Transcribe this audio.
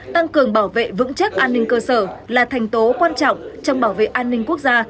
tăng cường bảo vệ vững chắc an ninh cơ sở là thành tố quan trọng trong bảo vệ an ninh quốc gia